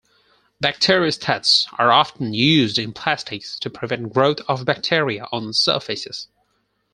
Bacteriostats are often used in plastics to prevent growth of bacteria on surfaces.